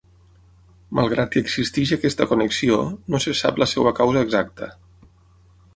Malgrat que existeix aquesta connexió, no sé sap la seua causa exacta.